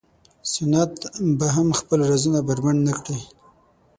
سنت به هم خپل رازونه بربنډ نه کړي.